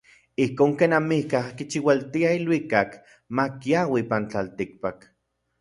Ijkon ken amikaj kichiualtia iluikak makiaui ipan tlatikpak.